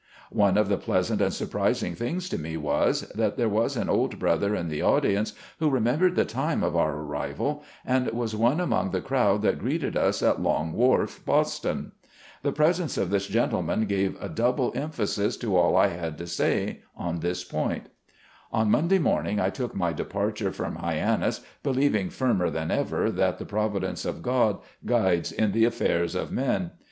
One of the pleasant and surprising things to me was, that there was an old brother in the audience who remembered the time of our arrival, and was one among the crowd that greeted us at Long Wharf, Boston. The presence of this gentleman gave a double emphasis to all I had to say on this point. 124 SLAVE CABIN TO PULPIT. On Monday morning I took my departure from Hyannis, believing firmer than ever, that the provi dence of God guides in the affairs of men.